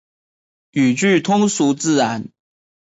语句通俗自然